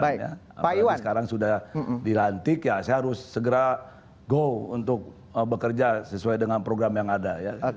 apalagi sekarang sudah dilantik ya saya harus segera go untuk bekerja sesuai dengan program yang ada